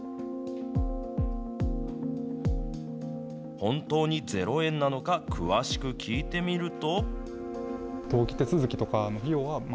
本当に０円なのか、詳しく聞いてみると。